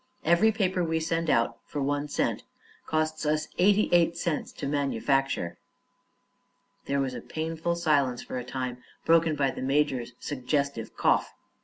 "Every paper we send out for one cent costs us eighty eight cents to manufacture." There was a painful silence for a time, broken by the major's suggestive cough.